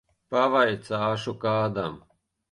Pavaicāšu kādam.